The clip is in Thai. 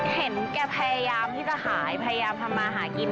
เห็นแกพยายามที่จะขายพยายามทำมาหากิน